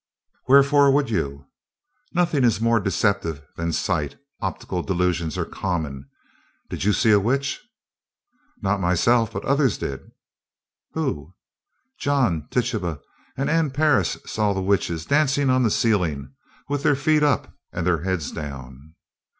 "Wherefore would you?" "Nothing is more deceptive than sight; optical delusions are common. Did you see a witch?" "Not myself; but others did." "Who?" "John, Tituba and Ann Parris saw the witches dancing on the ceiling, with their feet up and their heads down."